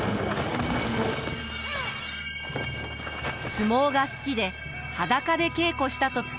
相撲が好きで裸で稽古したと伝わる信長。